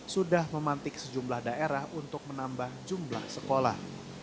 sudah memantik sejumlah daerah untuk menambah jumlah sekolah